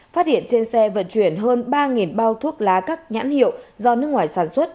phát hiện trên xe vận chuyển hơn ba bao thuốc lá các nhãn hiệu do nước ngoài sản xuất